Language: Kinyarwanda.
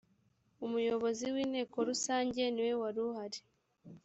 umuyobozi w ‘inteko rusange niwe waruhari.